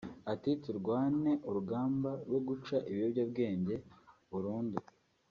Ati “Turwane urugamba rwo guca ibiyobyabwenge burundu